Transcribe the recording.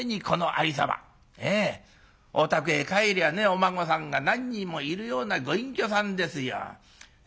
お宅へ帰りゃあねお孫さんが何人もいるようなご隠居さんですよ。